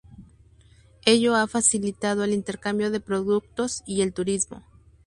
Ello ha facilitado el intercambio de productos y el turismo.